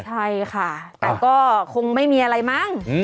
ใช่ค่ะแต่ก็คงไม่มีอะไรมั้ง